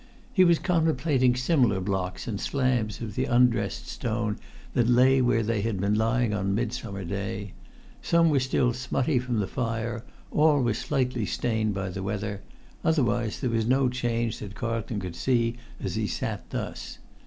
He was contemplating similar blocks and slabs of the undressed stone that lay where they had been lying on Midsummer Day: some were still smutty from the fire, all were slightly stained by the weather, otherwise there was no change that Carlton could see as he sat thus.